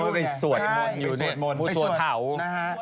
ไปสวดมนอู้สวดเถา